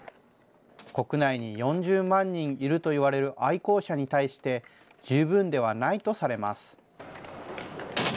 国内に４０万人いるといわれる愛好者に対して、十分ではないとされます。